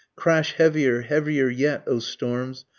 Crash heavier, heavier yet O storms!